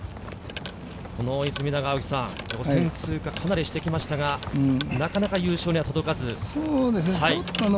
この出水田が予選通過をしてきましたが、なかなか優勝には届かず。